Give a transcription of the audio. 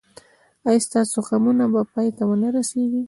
ایا ستاسو غمونه به پای ته و نه رسیږي؟